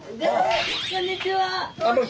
こんにちは。